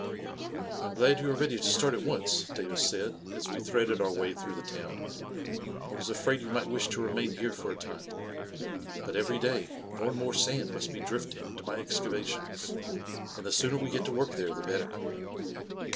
" I am glad you are ready to start at once," Davis said, as we threaded our way through the town. " I was afraid you might wish to remain here for a time. But every day, more and more sand must be drift ing into my excavations, and the sooner we get to work there the better."